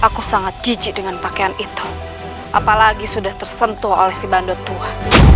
aku sangat jijik dengan pakaian itu apalagi sudah tersentuh oleh si bandit tua